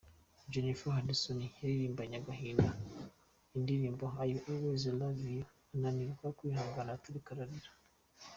Jennifer Hudson yaririmbanye agahinda indirimbo I will always love you, ananirwa kwihangana araturika ararira.